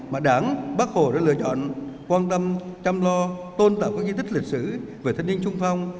mà đảng bác hồ đã lựa chọn quan tâm chăm lo tôn tạo các di tích lịch sử về thanh niên sung phong